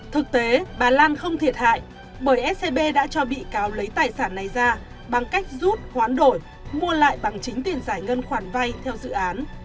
thực tế bà lan không thiệt hại bởi scb đã cho bị cáo lấy tài sản này ra bằng cách rút hoán đổi mua lại bằng chính tiền giải ngân khoản vay theo dự án